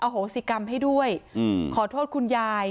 โหสิกรรมให้ด้วยขอโทษคุณยาย